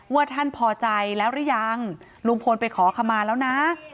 ว่าท่านพอใจแล้วหรือยังลุงพลไปขอขมาแล้วนะ